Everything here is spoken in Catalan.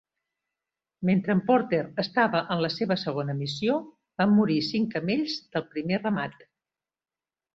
Mentre en Porter estava en la seva segona missió, van morir cinc camells del primer ramat.